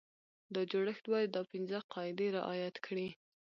دا جوړښت باید دا پنځه قاعدې رعایت کړي.